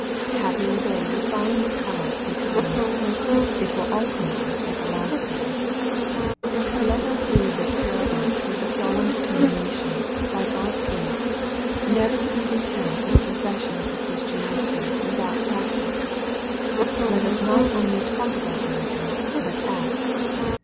Happy are they who find this out be iimes. It will aU come out at the last day. Let us leave this parable with a solemn determinatioBi 340 XZPOSITOBT THOUGHXa by Gkxl'B grace, never to be content with a profession of Christianity without practice. Let us not only talk about religion, but act.